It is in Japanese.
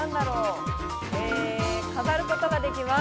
飾ることができます。